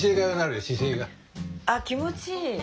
あっ気持ちいい。